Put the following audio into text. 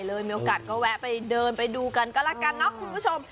มีโอกาสก็แวะไปเดินไปดูกันก็แล้วกันเนาะคุณผู้ชม